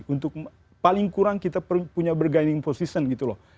untuk paling kurang kita punya berguiding position gitu loh